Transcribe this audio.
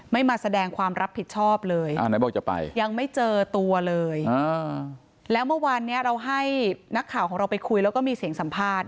มาแสดงความรับผิดชอบเลยไหนบอกจะไปยังไม่เจอตัวเลยแล้วเมื่อวานเนี้ยเราให้นักข่าวของเราไปคุยแล้วก็มีเสียงสัมภาษณ์